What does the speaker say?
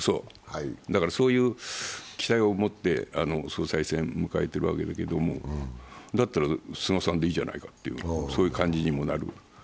そういう期待をもって総裁選を迎えているわけだけどだったら菅さんでいいじゃないかという感じにもなる。